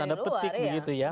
tanda petik begitu ya